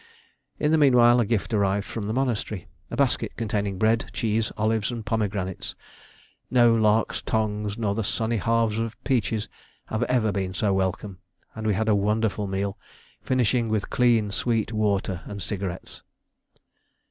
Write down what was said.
In the meanwhile a gift arrived from the monastery: a basket containing bread, cheese, olives, and pomegranates. No larks' tongues, nor the sunny halves of peaches, have ever been so welcome, and we had a wonderful meal, finishing with clean sweet water and cigarettes.